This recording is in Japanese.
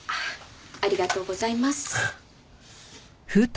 ありがとうございます。